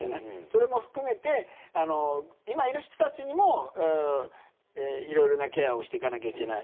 それも含めて、今いる人たちにもいろいろケアをしていかなければいけない。